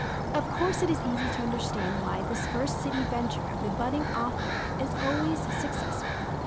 Of course it is easy to understand why this first city venture of the budding author is always successful.